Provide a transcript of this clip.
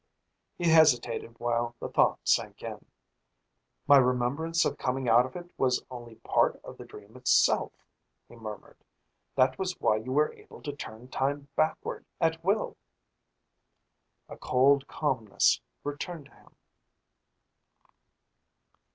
He hesitated while the thought sank in. "My remembrance of coming out of it was only part of the dream itself," he murmured. "That was why you were able to turn time backward at will." A cold calmness returned to him.